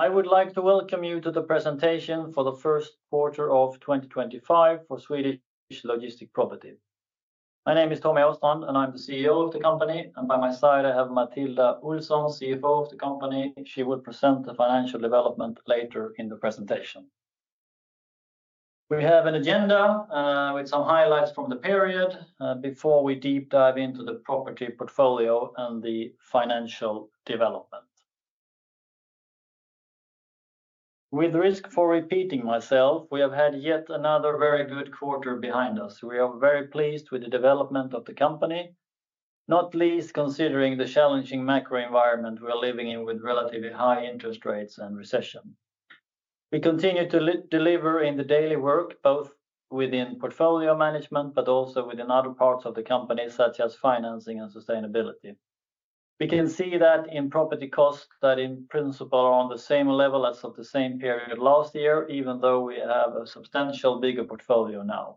I would like to welcome you to the presentation for the first quarter of 2025 for Swedish Logistic Property. My name is Tommy Åstrand, and I'm the CEO of the company. By my side, I have Matilda Olsson, CFO of the company. She will present the financial development later in the presentation. We have an agenda with some highlights from the period before we deep dive into the property portfolio and the financial development. With risk for repeating myself, we have had yet another very good quarter behind us. We are very pleased with the development of the company, not least considering the challenging macro environment we are living in with relatively high interest rates and recession. We continue to deliver in the daily work, both within portfolio management but also within other parts of the company, such as financing and sustainability. We can see that in property costs that, in principle, are on the same level as of the same period last year, even though we have a substantially bigger portfolio now.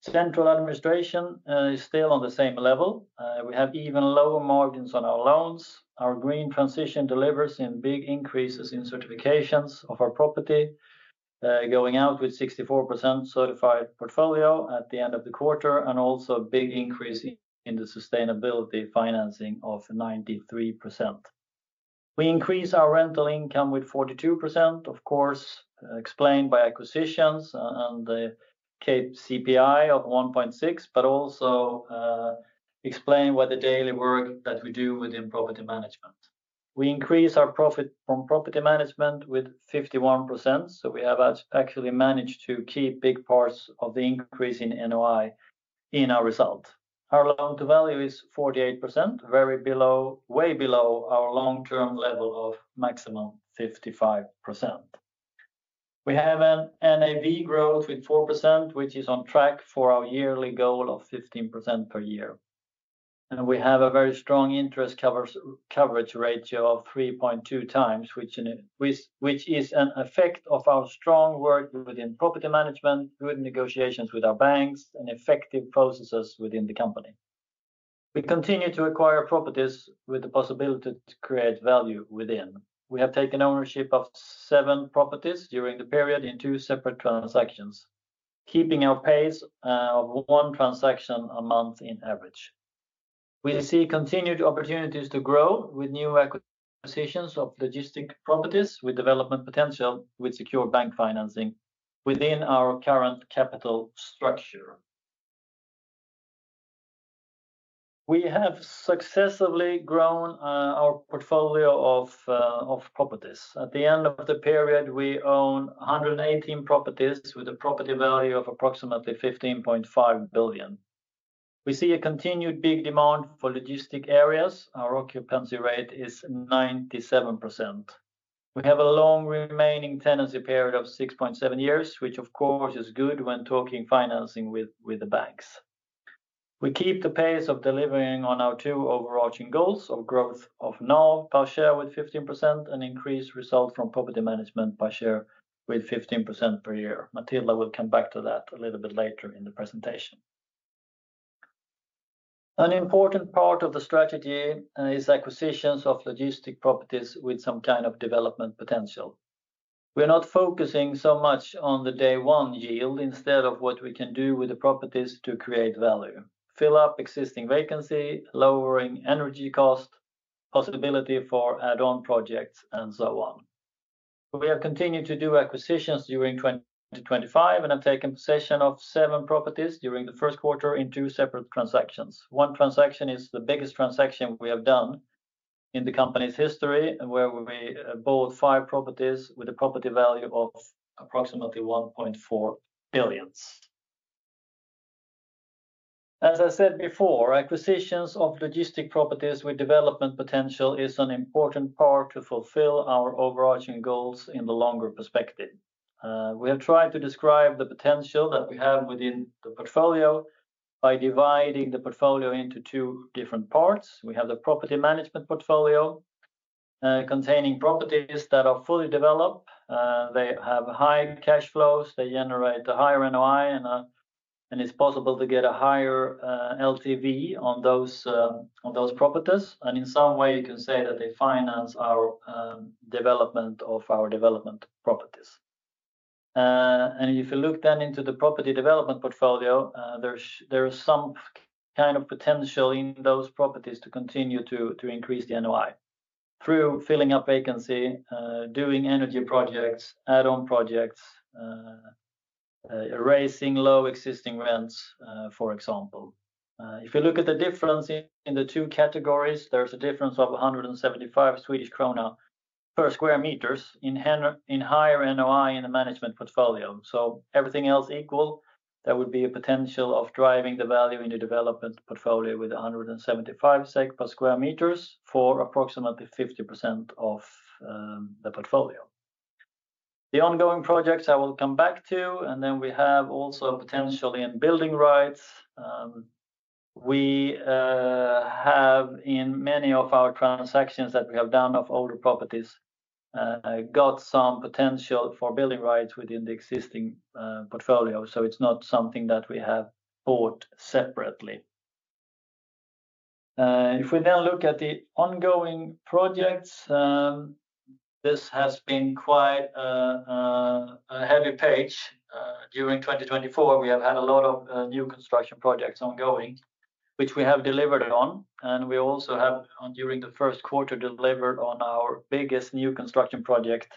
Central administration is still on the same level. We have even lower margins on our loans. Our green transition delivers in big increases in certifications of our property, going out with a 64% certified portfolio at the end of the quarter, and also a big increase in the sustainability financing of 93%. We increase our rental income with 42%, of course, explained by acquisitions and the CPI of 1.6, but also explained by the daily work that we do within property management. We increase our profit from property management with 51%, so we have actually managed to keep big parts of the increase in NOI in our result. Our loan-to-value is 48%, very below, way below our long-term level of maximum 55%. We have an NAV growth with 4%, which is on track for our yearly goal of 15% per year. We have a very strong interest coverage ratio of 3.2 times, which is an effect of our strong work within property management, good negotiations with our banks, and effective processes within the company. We continue to acquire properties with the possibility to create value within. We have taken ownership of seven properties during the period in two separate transactions, keeping our pace of one transaction a month in average. We see continued opportunities to grow with new acquisitions of logistics properties with development potential, with secure bank financing within our current capital structure. We have successfully grown our portfolio of properties. At the end of the period, we own 118 properties with a property value of approximately 15.5 billion. We see a continued big demand for logistics areas. Our occupancy rate is 97%. We have a long remaining tenancy period of 6.7 years, which, of course, is good when talking financing with the banks. We keep the pace of delivering on our two overarching goals of growth of NAV per share with 15% and increased result from property management per share with 15% per year. Matilda will come back to that a little bit later in the presentation. An important part of the strategy is acquisitions of logistics properties with some kind of development potential. We are not focusing so much on the day-one yield instead of what we can do with the properties to create value: fill up existing vacancy, lowering energy cost, possibility for add-on projects, and so on. We have continued to do acquisitions during 2025 and have taken possession of seven properties during the first quarter in two separate transactions. One transaction is the biggest transaction we have done in the company's history, where we bought five properties with a property value of approximately 1.4 billion. As I said before, acquisitions of logistics properties with development potential is an important part to fulfill our overarching goals in the longer perspective. We have tried to describe the potential that we have within the portfolio by dividing the portfolio into two different parts. We have the property management portfolio containing properties that are fully developed. They have high cash flows. They generate a higher NOI, and it's possible to get a higher LTV on those properties. In some way, you can say that they finance our development of our development properties. If you look then into the property development portfolio, there is some kind of potential in those properties to continue to increase the NOI through filling up vacancy, doing energy projects, add-on projects, erasing low existing rents, for example. If you look at the difference in the two categories, there is a difference of 175 Swedish krona per sq m in higher NOI in the management portfolio. Everything else equal, there would be a potential of driving the value in the development portfolio with 175 SEK per sq m for approximately 50% of the portfolio. The ongoing projects I will come back to, and then we also have potential in building rights. We have, in many of our transactions that we have done of older properties, got some potential for building rights within the existing portfolio, so it is not something that we have bought separately. If we then look at the ongoing projects, this has been quite a heavy page. During 2024, we have had a lot of new construction projects ongoing, which we have delivered on. We also have, during the first quarter, delivered on our biggest new construction project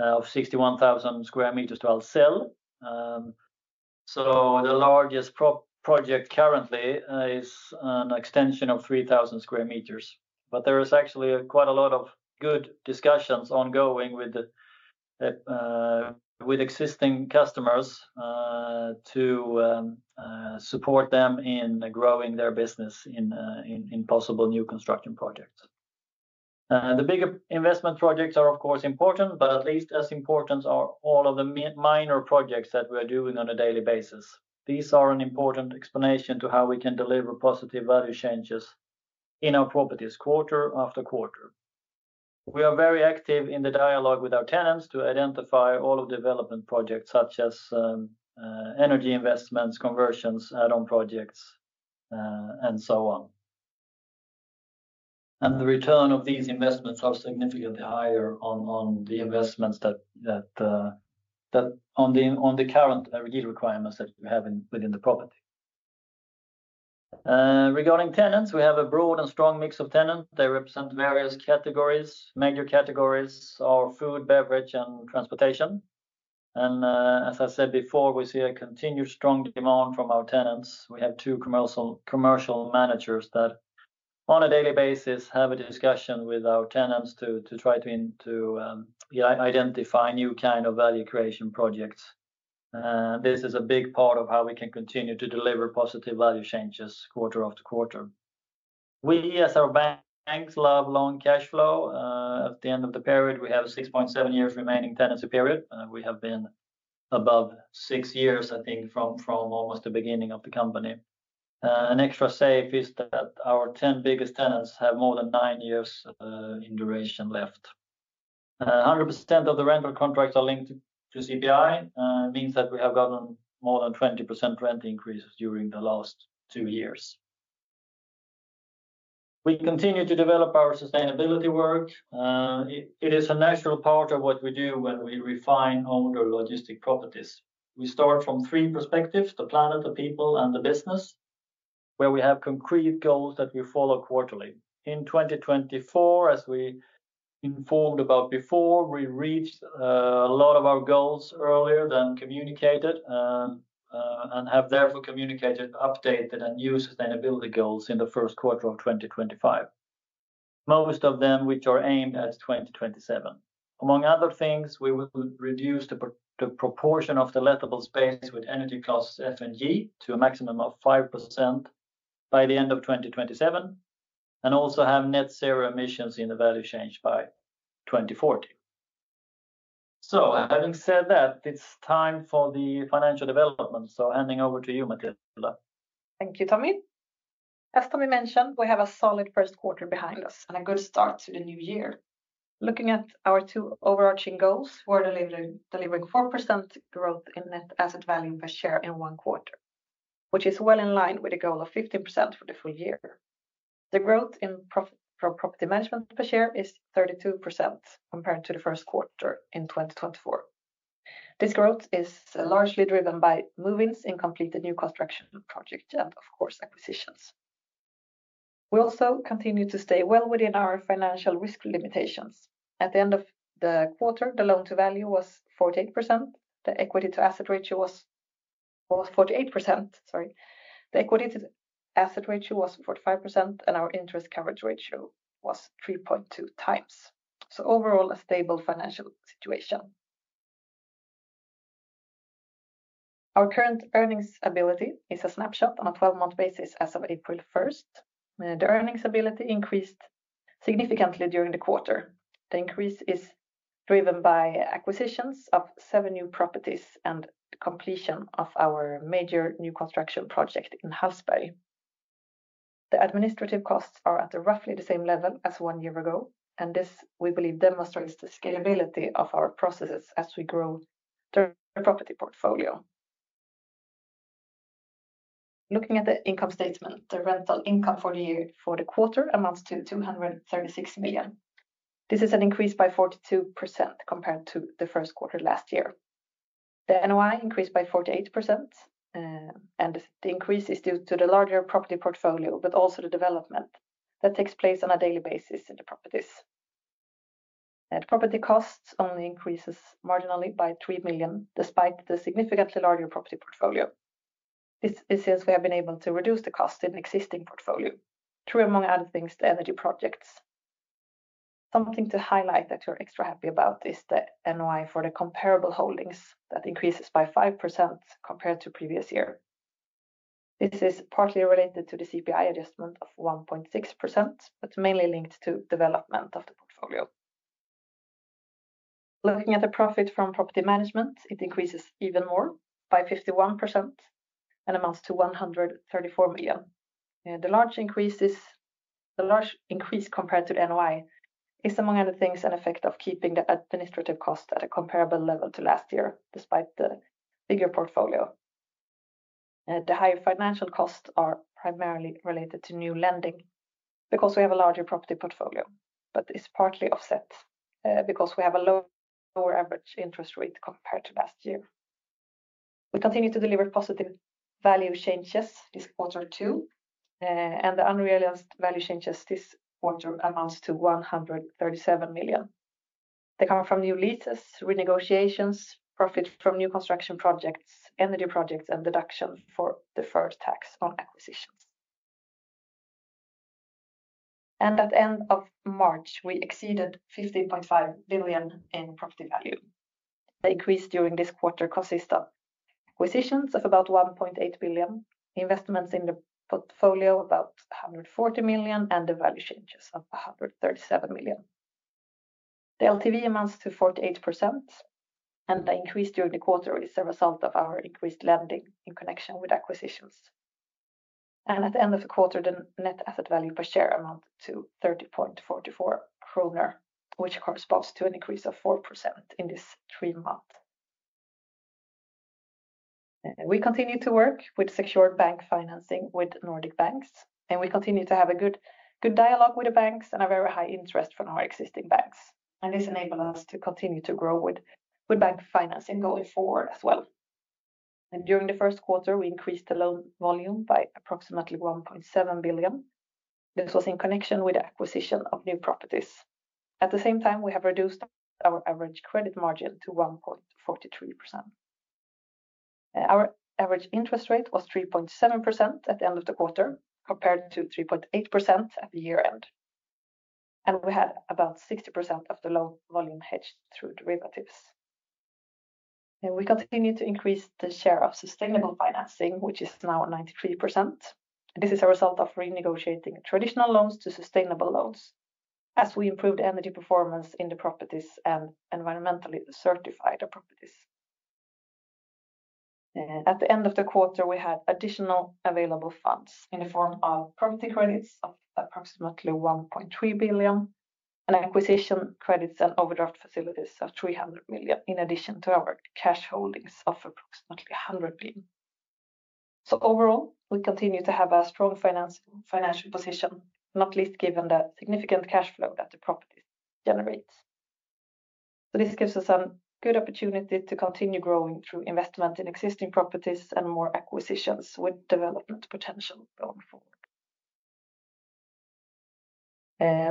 of 61,000 sq m to ourselves. The largest project currently is an extension of 3,000 sq m. There is actually quite a lot of good discussions ongoing with existing customers to support them in growing their business in possible new construction projects. The bigger investment projects are, of course, important, but at least as important are all of the minor projects that we are doing on a daily basis. These are an important explanation to how we can deliver positive value changes in our properties quarter after quarter. We are very active in the dialogue with our tenants to identify all of the development projects, such as energy investments, conversions, add-on projects, and so on. The return of these investments is significantly higher on the investments than on the current requirements that we have within the property. Regarding tenants, we have a broad and strong mix of tenants. They represent various categories. Major categories are food, beverage, and transportation. As I said before, we see a continued strong demand from our tenants. We have two commercial managers that, on a daily basis, have a discussion with our tenants to try to identify new kinds of value creation projects. This is a big part of how we can continue to deliver positive value changes quarter after quarter. We, as our banks, love long cash flow. At the end of the period, we have a 6.7 years remaining tenancy period. We have been above six years, I think, from almost the beginning of the company. An extra safe is that our 10 biggest tenants have more than nine years in duration left. 100% of the rental contracts are linked to CPI, means that we have gotten more than 20% rent increases during the last two years. We continue to develop our sustainability work. It is a natural part of what we do when we refine older logistic properties. We start from three perspectives: the planet, the people, and the business, where we have concrete goals that we follow quarterly. In 2024, as we informed about before, we reached a lot of our goals earlier than communicated and have therefore communicated updated and new sustainability goals in the first quarter of 2025, most of them which are aimed at 2027. Among other things, we will reduce the proportion of the lettable space with energy costs, F and G, to a maximum of 5% by the end of 2027 and also have net zero emissions in the value change by 2040. Having said that, it's time for the financial development. Handing over to you, Matilda. Thank you, Tommy. As Tommy mentioned, we have a solid first quarter behind us and a good start to the new year. Looking at our two overarching goals, we're delivering 4% growth in net asset value per share in one quarter, which is well in line with the goal of 15% for the full year. The growth in property management per share is 32% compared to the first quarter in 2024. This growth is largely driven by move-ins completed new construction projects and, of course, acquisitions. We also continue to stay well within our financial risk limitations. At the end of the quarter, the loan-to-value was 48%. The equity-to-asset ratio was 48%. Sorry. The equity-to-asset ratio was 45%, and our interest coverage ratio was 3.2 times. Overall, a stable financial situation. Our current earnings ability is a snapshot on a 12-month basis as of April 1. The earnings ability increased significantly during the quarter. The increase is driven by acquisitions of seven new properties and completion of our major new construction project in Hallsberg. The administrative costs are at roughly the same level as one year ago, and this we believe demonstrates the scalability of our processes as we grow the property portfolio. Looking at the income statement, the rental income for the quarter amounts to 236 million. This is an increase by 42% compared to the first quarter last year. The NOI increased by 48%, and the increase is due to the larger property portfolio, but also the development that takes place on a daily basis in the properties. The property costs only increases marginally by 3 million, despite the significantly larger property portfolio. This is since we have been able to reduce the cost in existing portfolio, through, among other things, the energy projects. Something to highlight that we're extra happy about is the NOI for the comparable holdings that increases by 5% compared to previous year. This is partly related to the CPI adjustment of 1.6%, but mainly linked to development of the portfolio. Looking at the profit from property management, it increases even more by 51% and amounts to 134 million. The large increase compared to the NOI is, among other things, an effect of keeping the administrative cost at a comparable level to last year, despite the bigger portfolio. The higher financial costs are primarily related to new lending because we have a larger property portfolio, but it's partly offset because we have a lower average interest rate compared to last year. We continue to deliver positive value changes this quarter too, and the unrealized value changes this quarter amounts to 137 million. They come from new leases, renegotiations, profit from new construction projects, energy projects, and deduction for deferred tax on acquisitions. At the end of March, we exceeded 15.5 billion in property value. The increase during this quarter consists of acquisitions of about 1.8 billion, investments in the portfolio of about 140 million, and the value changes of 137 million. The LTV amounts to 48%, and the increase during the quarter is a result of our increased lending in connection with acquisitions. At the end of the quarter, the net asset value per share amounts to 30.44 kronor, which corresponds to an increase of 4% in this three-month. We continue to work with secured bank financing with Nordic banks, and we continue to have a good dialogue with the banks and a very high interest from our existing banks. This enables us to continue to grow with bank financing going forward as well. During the first quarter, we increased the loan volume by approximately 1.7 billion. This was in connection with the acquisition of new properties. At the same time, we have reduced our average credit margin to 1.43%. Our average interest rate was 3.7% at the end of the quarter compared to 3.8% at the year-end. We had about 60% of the loan volume hedged through derivatives. We continue to increase the share of sustainable financing, which is now 93%. This is a result of renegotiating traditional loans to sustainable loans as we improve the energy performance in the properties and environmentally certified properties. At the end of the quarter, we had additional available funds in the form of property credits of approximately 1.3 billion and acquisition credits and overdraft facilities of 300 million, in addition to our cash holdings of approximately 100 million. Overall, we continue to have a strong financial position, not least given the significant cash flow that the properties generate. This gives us a good opportunity to continue growing through investment in existing properties and more acquisitions with development potential going forward.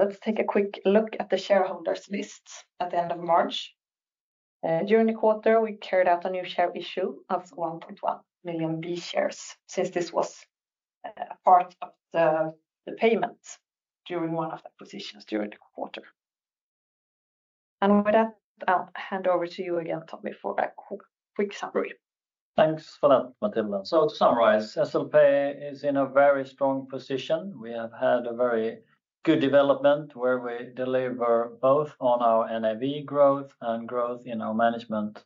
Let's take a quick look at the shareholders' list at the end of March. During the quarter, we carried out a new share issue of 1.1 million B shares since this was a part of the payment during one of the acquisitions during the quarter. With that, I'll hand over to you again, Tommy, for a quick summary. Thanks for that, Matilda. To summarize, SLP is in a very strong position. We have had a very good development where we deliver both on our NAV growth and growth in our management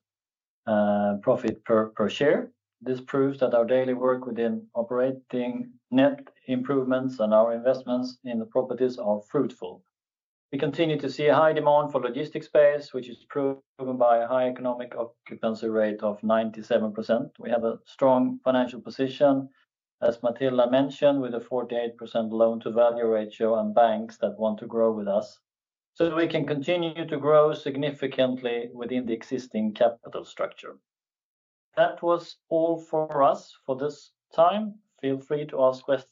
profit per share. This proves that our daily work within operating net improvements and our investments in the properties are fruitful. We continue to see a high demand for logistics space, which is proven by a high economic occupancy rate of 97%. We have a strong financial position, as Matilda mentioned, with a 48% loan-to-value ratio and banks that want to grow with us, so we can continue to grow significantly within the existing capital structure. That was all for us for this time. Feel free to ask questions.